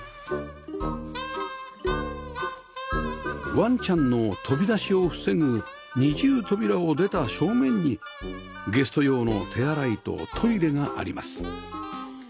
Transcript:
ワンちゃんの飛び出しを防ぐ二重扉を出た正面にゲスト用の手洗いとトイレがあります